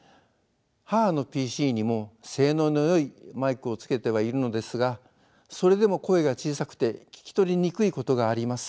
母のＰＣにも性能のよいマイクをつけてはいるのですがそれでも声が小さくて聞き取りにくいことがあります。